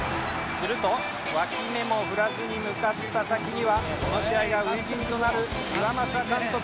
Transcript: すると脇目も振らずに向かった先にはこの試合が初陣となる岩政監督が。